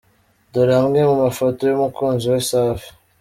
Dore Amwe mu mafoto y’umukunzi wa safi .